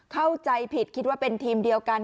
เข้าใจผิดคิดว่าเป็นทีมเดียวกัน